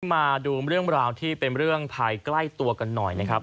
มาดูเรื่องราวที่เป็นเรื่องภายใกล้ตัวกันหน่อยนะครับ